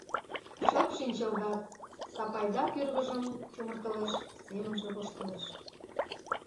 Шып шинчылдат, Сапайда тӱрвыжым чумыртылеш, семынже воштылеш.